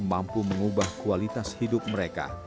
mampu mengubah kualitas hidup mereka